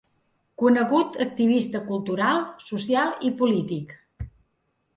Conegut activista cultural, social i polític.